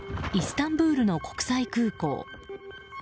イスタンブールの国際空港。